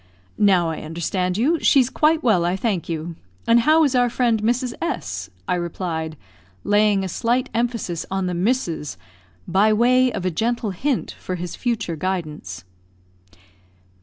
now I understand you; she's quite well, I thank you; and how is our friend Mrs. S ?" I replied, laying a slight emphasis on the Mrs., by way of a gentle hint for his future guidance.